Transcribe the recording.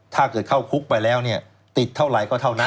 ถ้าเกิดเข้าคุกไปแล้วเนี่ยติดเท่าไหร่ก็เท่านั้น